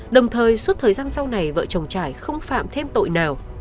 đồng thời suốt thời gian sau này vợ chồng trải không phạm thêm tội nào